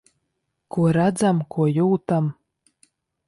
Ko redzam, ko jūtam.